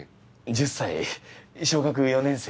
１０歳小学４年生。